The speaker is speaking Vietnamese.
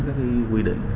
các cái quy định